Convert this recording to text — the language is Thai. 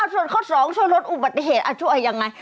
ส่วนข้อสองช่วยรถอุบัติเหตุช่วยอย่างไร